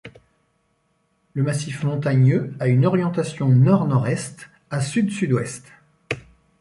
Le massif montagneux a une orientation nord-nord-est à sud-sud-ouest.